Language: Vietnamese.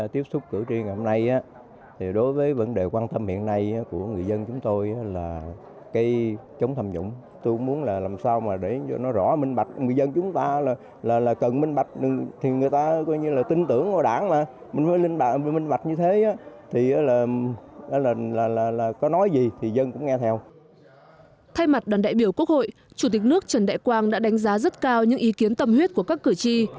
thay mặt đoàn đại biểu quốc hội chủ tịch nước trần đại quang đã đánh giá rất cao những ý kiến tâm huyết của các cử tri